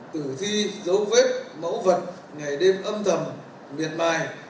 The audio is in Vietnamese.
tử thi dấu vết mẫu vật ngày đêm âm thầm miệt mài